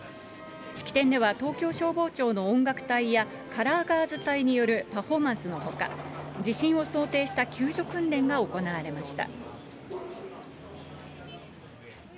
式典では東京消防庁の音楽隊やカラーバーズ隊によるパフォーマンスのほか、地震を想定した救助訓練が行われました。